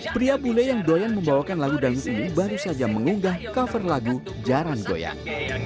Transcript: pria bule yang doyan membawakan lagu dangdut ini baru saja mengunggah cover lagu jaran goyang